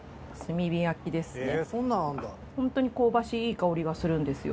ホントに香ばしいいい香りがするんですよ。